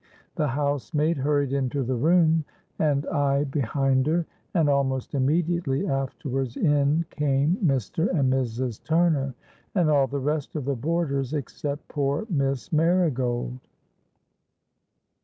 The housemaid hurried into the room, and I behind her; and almost immediately afterwards in came Mr. and Mrs. Turner, and all the rest of the boarders, except poor Miss Marigold!